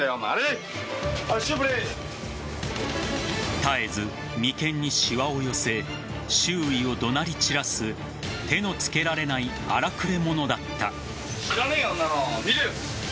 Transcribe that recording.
絶えず眉間にしわを寄せ周囲を怒鳴り散らす手のつけられない荒くれ者だった。